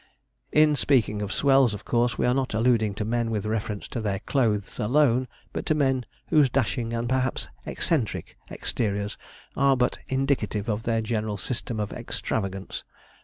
In speaking of 'swells,' of course we are not alluding to men with reference to their clothes alone, but to men whose dashing, and perhaps eccentric, exteriors are but indicative of their general system of extravagance.